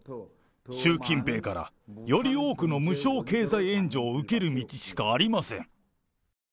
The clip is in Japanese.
習近平からより多くの無償経済援助を受ける道しかありません。